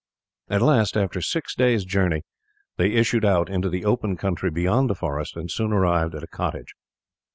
At last, after six days' journey, they issued out into the open country beyond the forest and soon arrived at a cottage.